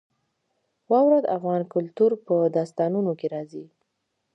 واوره د افغان کلتور په داستانونو کې راځي.